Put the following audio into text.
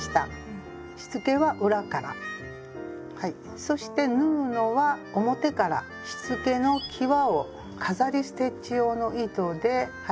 しつけは裏からはいそして縫うのは表からしつけのきわを飾りステッチ用の糸で縫っていきます。